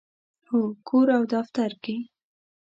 هو، کور او دفتر کې